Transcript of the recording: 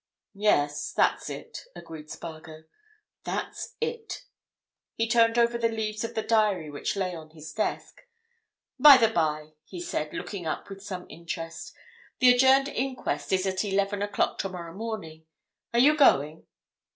"Yes, that's it," agreed Spargo. "That's it." He turned over the leaves of the diary which lay on his desk. "By the by," he said, looking up with some interest, "the adjourned inquest is at eleven o'clock tomorrow morning. Are you going?"